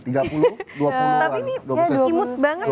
tapi ini imut banget